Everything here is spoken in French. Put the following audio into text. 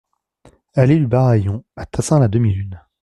Allée du Baraillon à Tassin-la-Demi-Lune